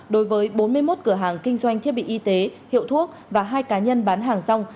đối với bốn mươi một cửa hàng kinh doanh thiết bị y tế hiệu thuốc và hai cá nhân bán hàng rong